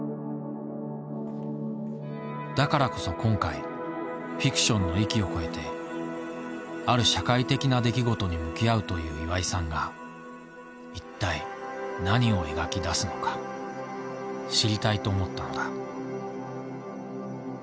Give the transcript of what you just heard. だからこそ今回フィクションの域を超えてある社会的な出来事に向き合うという岩井さんが一体何を描き出すのか知りたいと思ったのだ。